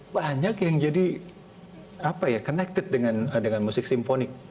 banyak yang jadi connected dengan musik simfonik